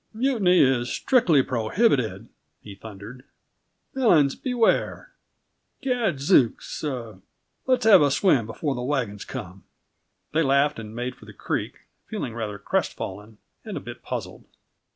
"Mutiny is strictly prohibited!" he thundered. "Villains, beware! Gadzooks er let's have a swim before the wagons come!" They laughed and made for the creek, feeling rather crestfallen and a bit puzzled.